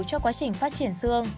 cho quá trình phát triển xương